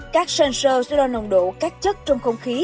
các sensor sẽ lo nồng độ các chất trong không khí